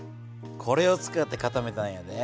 これを使って固めたんやで。